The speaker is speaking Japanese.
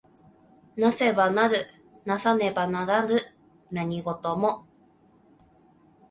為せば成る為さねば成らぬ何事も。